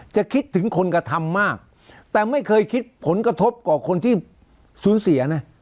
คิดถึงคนกระทำมากแต่ไม่เคยคิดผลกระทบต่อคนที่สูญเสียนะ